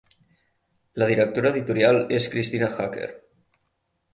La directora editorial és Kristina Hacker.